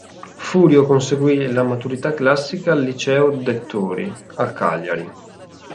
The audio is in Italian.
Furio conseguì la maturità classica al liceo "Dettori" a Cagliari.